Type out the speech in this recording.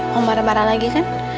mau marah marah lagi kan